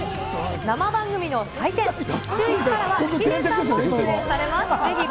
生番組の祭典、シューイチからはヒデさんも出演されます。